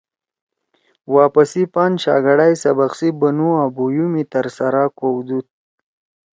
واپسی پان شاگڑا ئے سبق سی بنُو او بُھویؤ می ترسرا کؤدُود